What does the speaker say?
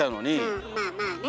うんまあまあね。